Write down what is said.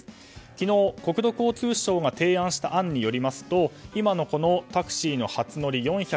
昨日、国土交通省が提案した案によりますと今のタクシーの初乗り４２０円